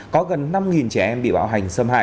có gần năm trẻ em bị bạo hành xâm hại